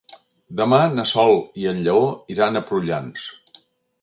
Demà na Sol i en Lleó iran a Prullans.